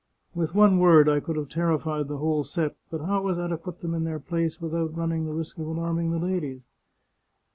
With one word I could have terrified the whole set, but how was I to put them in their place with out running the risk of alarming the ladies?